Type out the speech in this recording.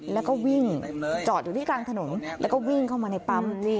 แล้วก็วิ่งจอดอยู่ที่กลางถนนแล้วก็วิ่งเข้ามาในปั๊ม